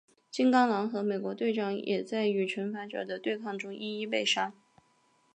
金刚狼和美国队长也在与惩罚者的对抗中一一被杀。